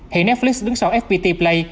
hiện netflix đứng sau fpt play